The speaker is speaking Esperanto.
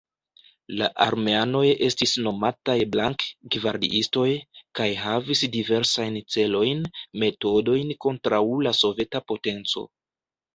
La armeanoj estis nomataj blank-gvardiistoj, kaj havis diversajn celojn, metodojn kontraŭ la soveta potenco.